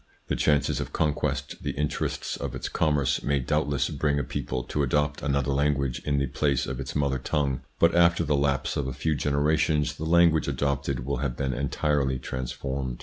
The chances of conquest, the interests of its commerce may doubt less bring a people to adopt another language in the place of its mother tongue, but after the lapse of a few generations the language adopted will have been entirely transformed.